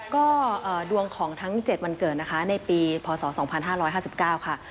ก็ดวงของทั้ง๗วันเกิดนะคะในปีพศ๒๕๕๙ค่ะ